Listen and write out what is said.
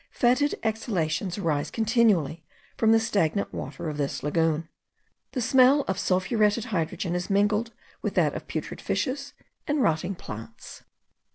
Fetid exhalations arise continually from the stagnant water of this lagoon. The smell of sulphuretted hydrogen is mingled with that of putrid fishes and rotting plants.